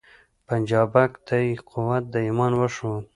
پنجابک ته یې قوت د ایمان وښود